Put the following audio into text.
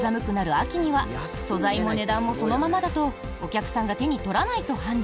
秋には素材も値段もそのままだとお客さんが手に取らないと判断。